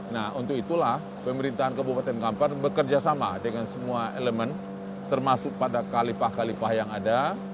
nah untuk itulah pemerintahan kabupaten kampar bekerja sama dengan semua elemen termasuk pada kalipah kalipah yang ada